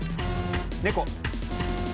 猫。